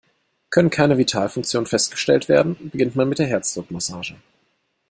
Können keine Vitalfunktionen festgestellt werden, beginnt man mit der Herzdruckmassage.